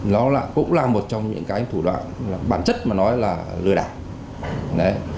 nó cũng là một trong những cái thủ đoạn là bản chất mà nói là lừa đảo